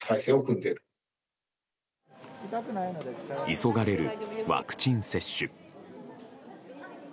急がれるワクチン接種。